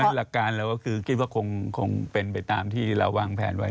หลักการเราก็คือคิดว่าคงเป็นไปตามที่เราวางแผนไว้